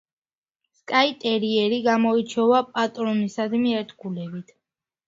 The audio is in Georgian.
სკაიტერიერი გამოირჩევა პატრონისადმი ერთგულებით.